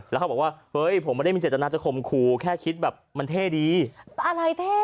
แล้วเขาบอกว่าเฮ้ยผมไม่ได้มีเจตนาจะคมครูแค่คิดแบบมันเท่ดีอะไรเท่